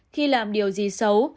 khi làm điều gì xấu